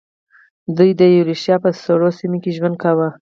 دوی د یوریشیا په سړو سیمو کې ژوند کاوه.